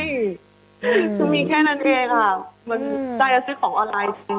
ใช่มันมีแค่นั้นเองค่ะมันได้แล้วซื้อของออนไลน์จริง